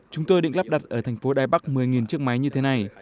chúng tôi định lắp đặt ở thành phố đài bắc một mươi chiếc máy như thế này